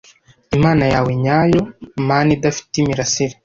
imana yawe nyayo mana idafite imirasire